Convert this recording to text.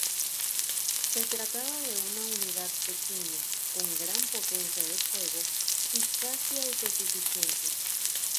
Se trataba de una unidad pequeña, con gran potencia de fuego y casi autosuficiente.